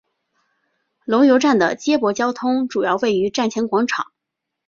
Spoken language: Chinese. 龙游站的接驳交通主要位于站前广场。